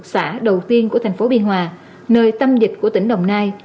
xã đầu tiên của thành phố biên hòa nơi tâm dịch của tỉnh đồng nai